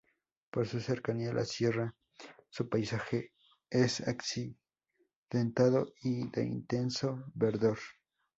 Por su cercanía a la sierra, su paisaje es accidentado y de intenso verdor.